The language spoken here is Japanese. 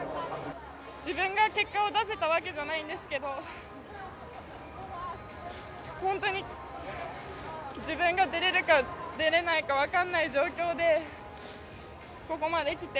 自分が結果を出せたわけじゃないんですけれど、本当に自分が出れるか出れないかわからない状況で、ここまで来て。